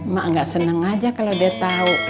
mak nggak seneng aja kalau dia tahu